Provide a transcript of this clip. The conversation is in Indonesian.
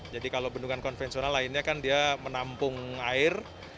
jadi kalau bendungan konvensional lainnya kan dia menampung air